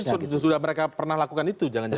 itu sudah mereka pernah lakukan itu jangan jangan